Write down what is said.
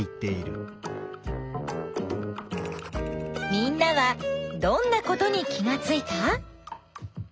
みんなはどんなことに気がついた？